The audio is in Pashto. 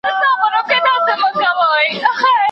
او تر نني ورځي پوري